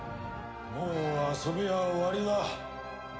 もう遊びは終わりだ。